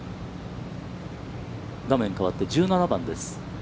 画面変わって１７番です。